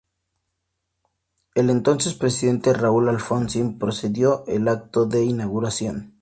El entonces presidente Raúl Alfonsín presidió el acto de inauguración.